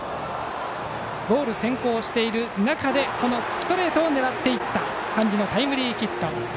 ボール先行している中でストレートを狙っていた感じのタイムリーヒット。